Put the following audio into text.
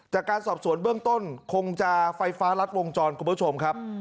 จากการสอบสวนเบื้องต้นคงจะไฟฟ้ารัดวงจรคุณผู้ชมครับ